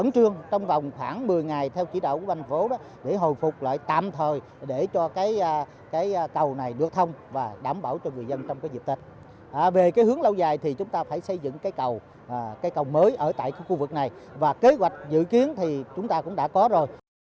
nguyên vọng lớn nhất của người dân nơi đây là sớm được ổn định cuộc sống do đó tp hcm yêu cầu hãy xây dựng cây cầu mới ở tại khu vực này và kế hoạch dự kiến thì chúng ta cũng đã có rồi